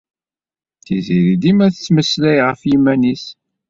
Tiziri dima tettmeslay ɣef yiman-is.